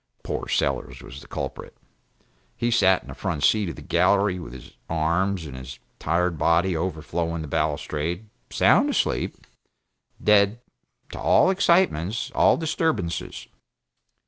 Poor Sellers was the culprit. He sat in the front seat of the gallery, with his arms and his tired body overflowing the balustrade sound asleep, dead to all excitements, all disturbances.